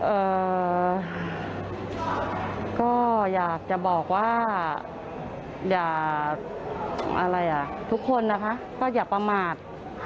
เอ่อก็อยากจะบอกว่าทุกคนก็อย่าประมาท